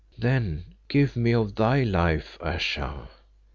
"Then give me of thy life, Ayesha."